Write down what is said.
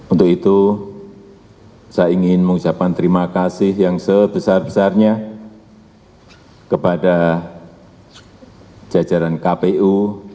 untuk itu saya ingin mengucapkan terima kasih yang sebesar besarnya kepada jajaran kpu